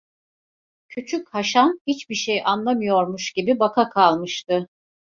Küçük Haşan hiçbir şey anlamıyormuş gibi bakakalmıştı.